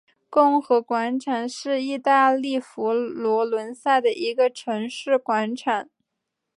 共和广场是意大利佛罗伦萨的一个城市广场。